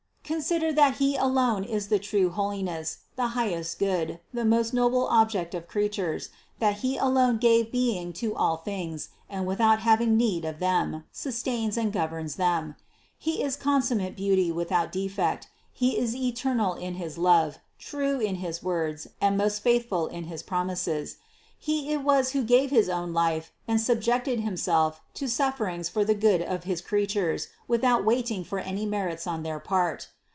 Consider that He alone is the true holiness, the highest good, the most noble object of creatures, that He alone gave being to all things and without having need of them, sustains and governs them. He is consummate beauty without defect, He is eternal in his love, true in his words and most faithful in his promises. He it was who gave his own life and subjected Himself to suffer ings for the good of his creatures without waiting for any merits on their part.